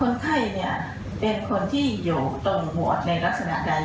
คนไข้เนี่ยเป็นคนที่อยู่ตรงหัวในลักษณะใด